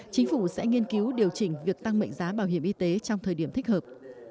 chính phủ sẽ nghiên cứu điều chỉnh việc tăng mệnh giá bảo hiểm y tế trong thời điểm thích hợp